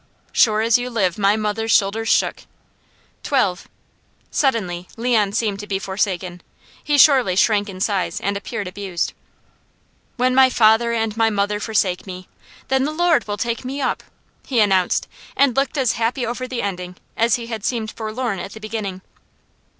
Sure as you live my mother's shoulders shook. "Twelve." Suddenly Leon seemed to be forsaken. He surely shrank in size and appeared abused. "When my father and my mother forsake me, then the Lord will take me up," he announced, and looked as happy over the ending as he had seemed forlorn at the beginning.